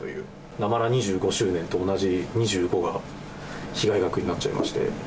ナマラ２５周年と同じ２５が、被害額になっちゃいまして。